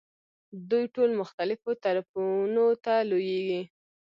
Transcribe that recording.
دوی ټول مختلفو طرفونو ته لویېږي.